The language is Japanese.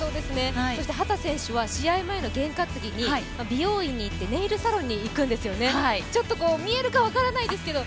そして秦選手は試合前の験担ぎに、美容院へ行ってネイルサロンに行くんですよね、ちょっと見えるか分からないですけど。